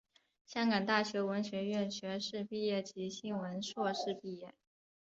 香港大学文学院学士毕业及新闻硕士毕业。